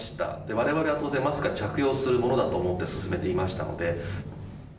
われわれは当然、マスクは着用するものだと思って進めていましたので。